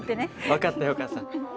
分かったよお母さん。